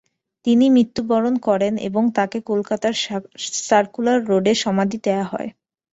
তিনি মৃত্যুবরণ করেন এবং তাকে কলকাতার সার্কুলার রোডে সমাধি দেওয়া হয়।